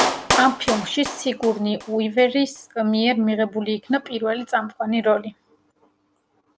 ამ ფილმში სიგურნი უივერის მიერ მიღებული იქნა პირველი წამყვანი როლი.